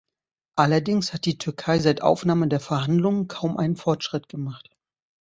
Allerdings hat die Türkei seit Aufnahme der Verhandlungen kaum einen Fortschritt gemacht.